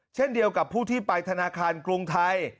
เช่นเดียวกับผู้ที่ไปธนาคารกรุงไทย